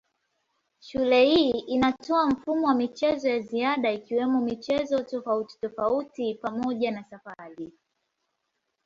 Shule hii inatoa mfumo wa michezo ya ziada ikiwemo michezo tofautitofauti pamoja na safari.